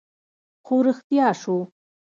خو رښتيا شو